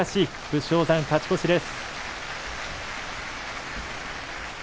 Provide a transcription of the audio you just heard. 武将山、勝ち越しです。